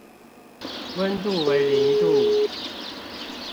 溫度為零度